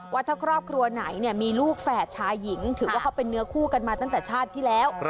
ว่าถ้าครอบครัวไหนมีลูกแฝดชายหญิงถือว่าเขาเป็นเนื้อคู่กันมาตั้งแต่ชาติที่แล้ว